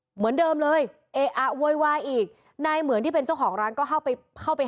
เหมือนเดิมเลยเอ๊ะอ่ะโวยวายอีกนายเหมือนที่เป็นเจ้าของร้านก็เข้าไปเข้าไป